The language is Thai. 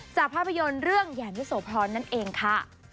จากภาพยนตร์เรื่องแหย่งเฮษโภพรนั่นเองค่ะ